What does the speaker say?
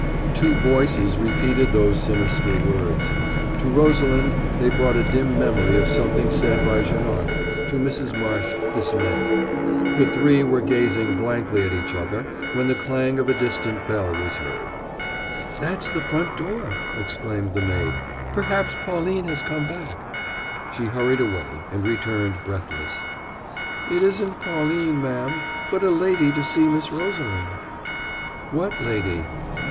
Two voices repeated those sinister words. To Rosalind they brought a dim memory of something said by Janoc, to Mrs. Marsh dismay. The three were gazing blankly at each other when the clang of a distant bell was heard. "That's the front door," exclaimed the maid. "Perhaps Pauline has come back." She hurried away, and returned, breathless. "It isn't Pauline, ma'm, but a lady to see Miss Rosalind." "What lady?"